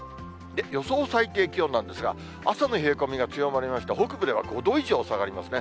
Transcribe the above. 予想最低気温なんですが、朝の冷え込みが強まりまして、北部では５度以上下がりますね。